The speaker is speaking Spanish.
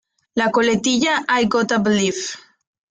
La coletilla "I gotta believe!